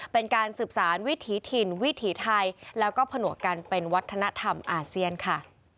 เป็นการสืบสารวิถีถิ่นวิถีไทยแล้วก็ผนวกกันเป็นวัฒนธรรมอาเซียนค่ะ